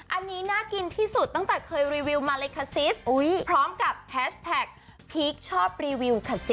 อันนี้น่ากินที่สุดตั้งแต่เคยรีวิวมาเลยแซกอุ้ยพร้อมกับพลีคชอบรีวิว